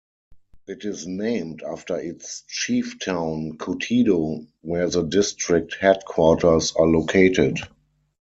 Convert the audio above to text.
It is named after its 'chief town', Kotido, where the district headquarters are located.